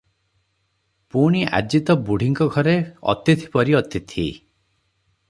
ପୁଣି ଆଜି ତ ବୁଢ଼ୀଙ୍କ ଘରେ ଅତିଥି ପରି ଅତିଥି ।-